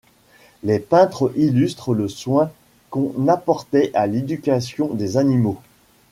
Les peintures illustrent le soin qu’on apportait à l’éducation des animaux.